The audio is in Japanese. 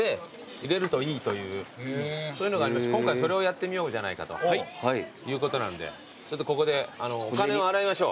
入れるといいというそういうのがありまして今回それをやってみようじゃないかということなんでちょっとここでお金を洗いましょう。